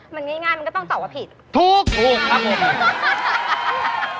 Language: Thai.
มันง่ายมันก็ต้องตอบว่าผิดถูกถูกครับผม